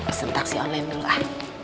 persen taksi online dulu ah